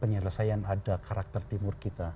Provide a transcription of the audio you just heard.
penyelesaian ada karakter timur kita